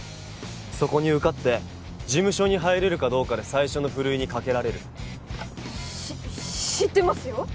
そこに受かって事務所に入れるかどうかで最初のふるいにかけられるし知ってますよ